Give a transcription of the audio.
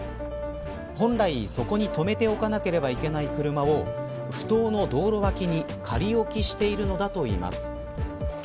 本来、そこに止めておかなければいけない車をふ頭の道路脇に仮置きしているのだといいます。